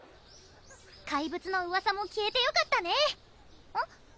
怪物のうわさも消えてよかったねうん？